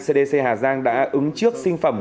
cdc hà giang đã ứng trước sinh phẩm